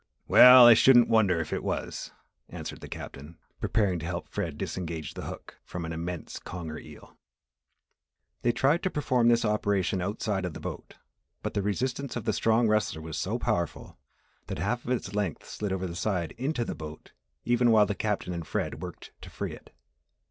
"We ll, I shouldn't wonder if it was," answered the Captain, preparing to help Fred disengage the hook from an immense conger eel. They tried to perform this operation outside of the boat but the resistance of the strong wrestler was so powerful that half of its length slid over the side into the boat even while the Captain and Fred worked to free it.